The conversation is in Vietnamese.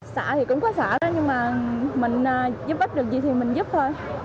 xã thì cũng có xã nhưng mà mình giúp bách được gì thì mình giúp thôi